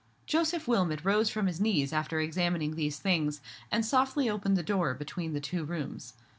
Joseph Wilmot rose from his knees after examining these things, and softly opened the door between the two rooms.